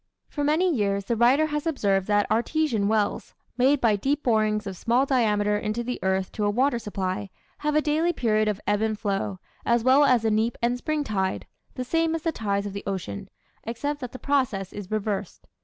For many years the writer has observed that artesian wells, made by deep borings of small diameter into the earth to a water supply, have a daily period of ebb and flow, as well as a neap and spring tide, the same as the tides of the ocean, except that the process is reversed.